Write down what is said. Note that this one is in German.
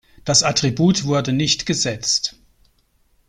Das Attribut wurde nicht gesetzt.